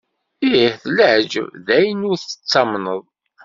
Ih, d leεǧeb, d ayen ur tettamneḍ!